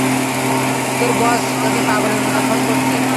তোর বস তোকে পাগলের মতো ফোন করছে।